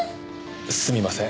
すみません。